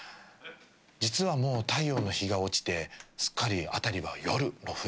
実はもう太陽の日が落ちてすっかり辺りは夜の雰囲気でした。